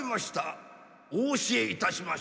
お教えいたしましょう。